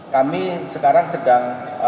kami sekarang sedang